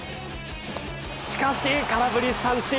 しかし、空振り三振。